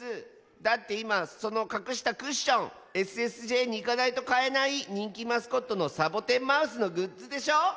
だっていまそのかくしたクッションＳＳＪにいかないとかえないにんきマスコットのサボテンマウスのグッズでしょ！